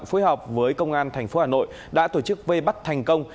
phối hợp với công an thành phố hà nội đã tổ chức vây bắt thành công